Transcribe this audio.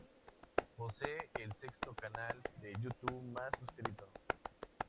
Posee el sexto canal de Youtube más suscrito.